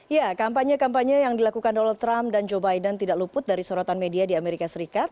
ya kampanye kampanye yang dilakukan donald trump dan joe biden tidak luput dari sorotan media di amerika serikat